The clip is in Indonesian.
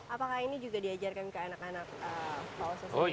apakah ini juga diajarkan ke anak anak pak oso sendiri